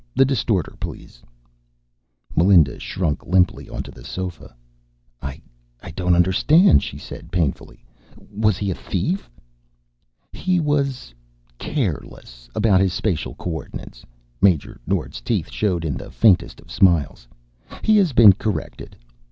The distorter, please." Melinda shrunk limply onto the sofa. "I don't understand," she said painfully. "Was he a thief?" "He was careless about his spatial coordinates." Major Nord's teeth showed in the faintest of smiles. "He has been corrected.